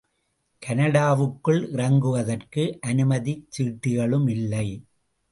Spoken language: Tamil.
கனடாவுக்குள் இறங்குவதற்கு அனுமதிச் சீட்டுகளுமில்லை.